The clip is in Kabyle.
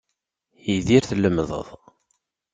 Idir, tlemdeḍ.